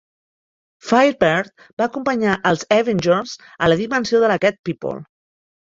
Firebird va acompanyar els Avengers a la dimensió de la Cat People.